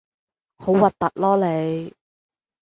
好核突囉你